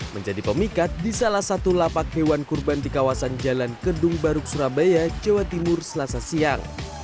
menjadi pemikat di salah satu lapak hewan kurban di kawasan jalan kedung baruk surabaya jawa timur selasa siang